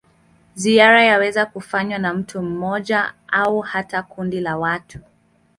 Ziara yaweza kufanywa na mtu mmoja au hata kundi la watu.